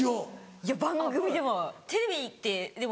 いや番組でも。